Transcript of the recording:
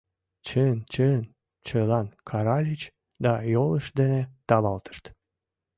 — Чын, чын! — чылан каральыч да йолышт дене тавалтышт.